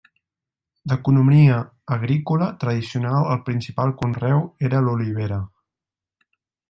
D'economia agrícola tradicional el principal conreu era l'olivera.